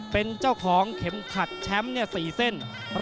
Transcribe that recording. เป็นเจ้าของเข็มขัดแชมป์๔เส้น